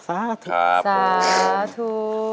สาธุ